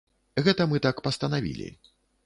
Гэта мы так пастанавілі.